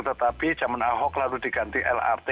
tetapi zaman ahok lalu diganti lrt